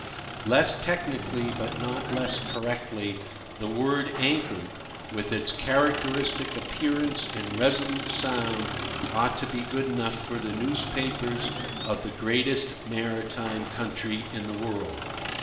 Less technically, but not less correctly, the word "anchored," with its characteristic appearance and resolute sound, ought to be good enough for the newspapers of the greatest maritime country in the world.